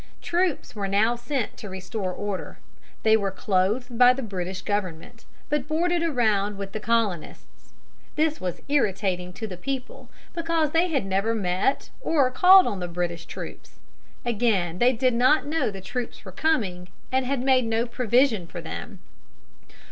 Troops were now sent to restore order. They were clothed by the British government, but boarded around with the Colonists. This was irritating to the people, because they had never met or called on the British troops. Again, they did not know the troops were coming, and had made no provision for them.